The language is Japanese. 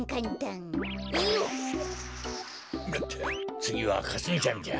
つぎはかすみちゃんじゃ。